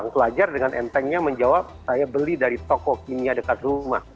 pelajar dengan entengnya menjawab saya beli dari toko kimia dekat rumah